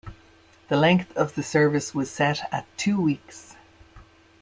The length of the service was set at two weeks.